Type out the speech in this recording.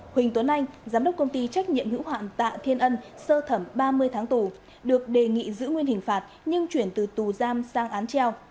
huỳnh tuấn anh giám đốc công ty trách nhiệm hữu hạn tạ thiên ân sơ thẩm ba mươi tháng tù được đề nghị giữ nguyên hình phạt nhưng chuyển từ tù giam sang án treo